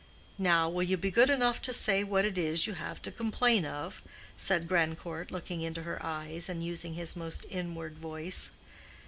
"Now, will you be good enough to say what it is you have to complain of?" said Grandcourt, looking into her eyes, and using his most inward voice.